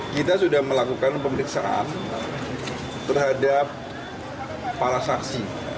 kita sudah melakukan pemeriksaan terhadap para saksi